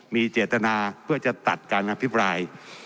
มีเจตนาเพื่อจะตัดการอภิปราย